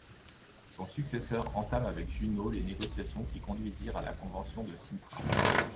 Son successeur entame avec Junot les négociations qui conduisirent à la convention de Cintra.